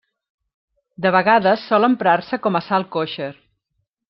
De vegades sol emprar-se com a sal kosher.